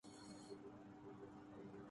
کیا دبدبۂ نادر کیا شوکت تیموری